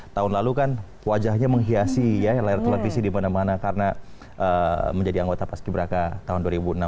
tahun lalu kan wajahnya menghiasi ya layar televisi dimana mana karena menjadi anggota pascibraka tahun dua ribu enam belas